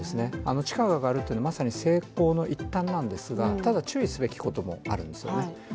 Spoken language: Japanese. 地価が上がるというのは成功の一端なんですがただ注意すべきこともあるんですね。